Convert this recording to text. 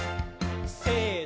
せの。